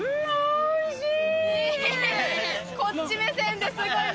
おいしい。